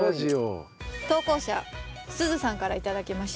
投稿者すずさんから頂きました。